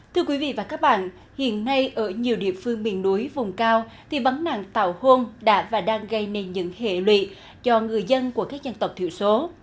thưa quý vị và các bạn hiện nay ở nhiều địa phương miền núi vùng cao thì vấn nạn tảo hôn đã và đang gây nên những hệ lụy cho người dân của các dân tộc thiểu số